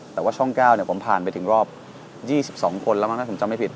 แต่ว่าช่อง๙ผมผ่านไปถึงรอบ๒๒คนแล้วมั้งถ้าผมจำไม่ผิด